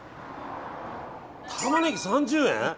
タマネギ３０円！